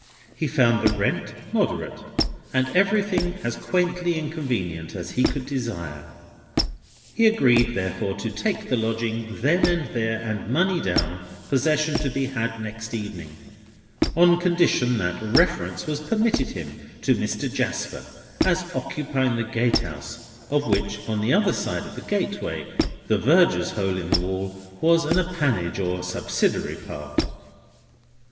He found the rent moderate, and everything as quaintly inconvenient as he could desire. He agreed, therefore, to take the lodging then and there, and money down, possession to be had next evening, on condition that reference was permitted him to Mr. Jasper as occupying the gatehouse, of which on the other side of the gateway, the Verger's hole in the wall was an appanage or subsidiary part.